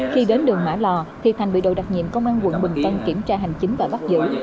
khi đến đường mã lò thì thành bị đội đặc nhiệm công an quận bình tân kiểm tra hành chính và bắt giữ